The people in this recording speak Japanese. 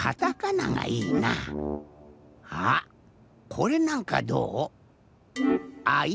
これなんかどう？